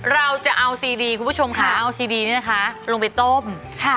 เราจะเอาซีดีคุณผู้ชมค่ะเอาซีดีนี่นะคะลงไปต้มค่ะ